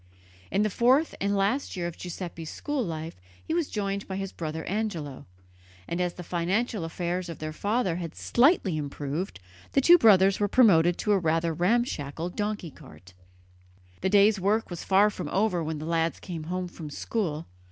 In the fourth and last year of Giuseppe's school life he was joined by his brother Angelo, and as the financial affairs of their father had slightly improved, the two brothers were promoted to a rather ramshackle donkey cart. The day's work was far from over when the lads came home from school.